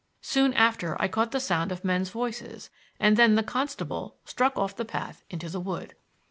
Soon after I caught the sound of men's voices, and then the constable struck off the path into the wood.